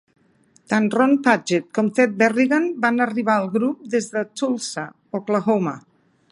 Tant Ron Padgett com Ted Berrigan van arribar al grup des de Tulsa, Oklahoma.